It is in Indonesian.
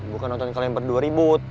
bukan nonton kalian berdua ribut